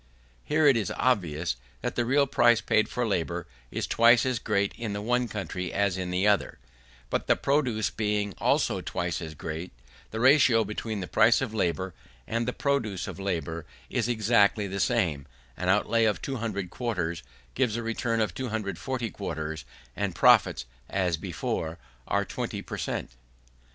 Here it is obvious, that the real price paid for labour is twice as great in the one country as in the other; but the produce being also twice as great, the ratio between the price of labour and the produce of labour is still exactly the same: an outlay of 200 quarters gives a return of 240 quarters, and profits, as before, are 20 per cent.